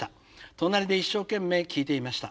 隣で一生懸命聴いていました。